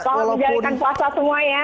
selamat menjalankan puasa semua ya